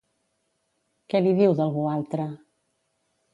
Què li diu d'algú altre?